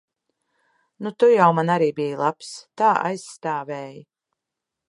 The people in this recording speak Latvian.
Nu, tu jau man arī biji labs. Tā aizstāvēji.